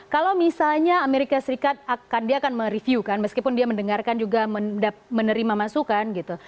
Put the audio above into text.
kalau misalnya amerika serikat dia akan mereview kan meskipun dia mendengarkan juga menerima masukan gitu